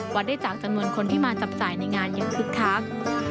วัดได้จากจำนวนคนที่มาจับจ่ายในงานอย่างคึกคัก